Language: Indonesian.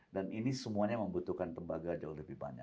dan ini semuanya membutuhkan tembaga jauh lebih banyak